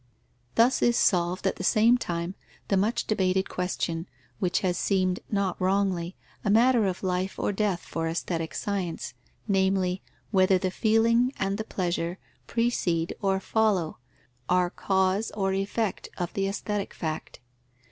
Thus is solved at the same time the much debated question, which has seemed, not wrongly, a matter of life or death for aesthetic science, namely, whether the feeling and the pleasure precede or follow, are cause or effect of the aesthetic fact.